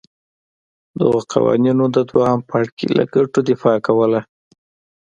دغو قوانینو د دویم پاړکي له ګټو دفاع کوله.